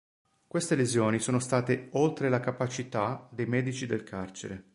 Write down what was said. Queste lesioni sono state "oltre la capacità" dei medici del carcere.